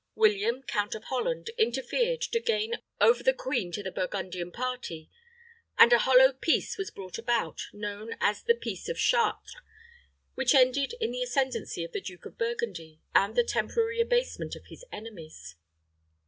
William, count of Holland, interfered to gain over the queen to the Burgundian party, and a hollow peace was brought about, known as the peace of Chartres, which ended in the ascendency of the Duke of Burgundy, and the temporary abasement of his enemies.